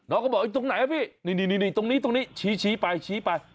น้องก็บอกตรงไหนนะพี่นี่ตรงนี้ชี้ไปไป